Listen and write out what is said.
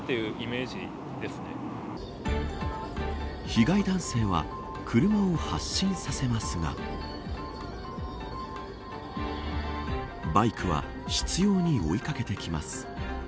被害男性は車を発進させますがバイクは執拗に追い掛けてきます。